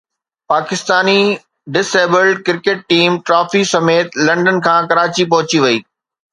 Pakistani disabled cricket team trophy سميت London کان ڪراچي پهچي وئي